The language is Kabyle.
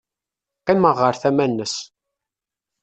Qqimeɣ ɣer tama-nnes.